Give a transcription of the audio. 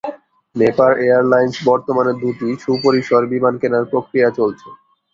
Nepal airlines বর্তমানে দুটি সুপরিসর বিমান কেনার প্রক্রিয়া চলছে।